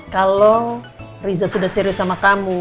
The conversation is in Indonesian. kalau riza sudah serius sama kamu